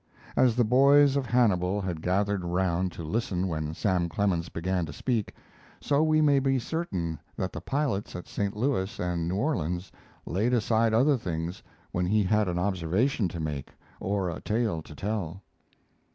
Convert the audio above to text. As the boys of Hannibal had gathered around to listen when Sam Clemens began to speak, so we may be certain that the pilots at St. Louis and New Orleans laid aside other things when he had an observation to make or a tale to tell.